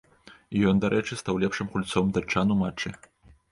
Ён, дарэчы, стаў лепшым гульцоў датчан у матчы.